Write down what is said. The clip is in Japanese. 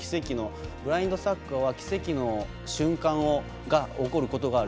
ブラインドサッカーは奇跡の瞬間が起こることがある。